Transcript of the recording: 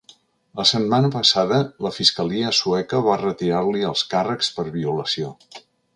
La setmana passada la fiscalia sueca va retirar-li els càrrecs per violació.